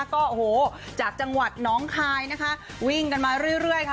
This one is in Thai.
ก็โอ้โหจากจังหวัดน้องคายนะคะวิ่งกันมาเรื่อยค่ะ